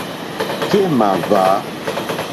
Kémà hwǎ.